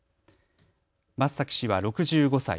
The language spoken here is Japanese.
先崎氏は６５歳。